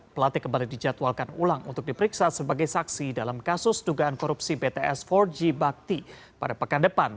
pelatih kembali dijadwalkan ulang untuk diperiksa sebagai saksi dalam kasus dugaan korupsi bts empat g bakti pada pekan depan